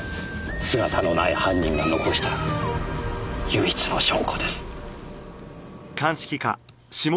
姿のない犯人が残した唯一の証拠です。